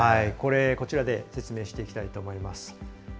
こちらで説明していきたいと思います。